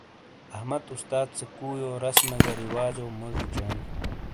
احمد استاد سے کُویو رسمے گہ رواجو موجی چینڈ۔